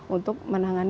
untuk menangani penyebaran